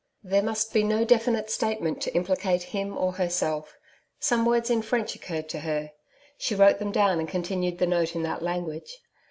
There must be no definite statement to implicate him or herself. Some words in French occurred to her. She wrote them down and continued the note in that language.